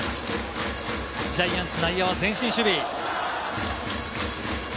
ジャイアンツ、内野は前進守備。